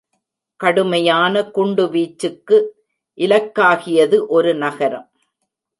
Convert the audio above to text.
கடுமையான குண்டு வீச்சக்கு இலக்காகியது ஒரு நகரம்.